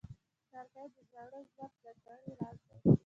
لرګی د زاړه ژوند ځانګړی راز دی.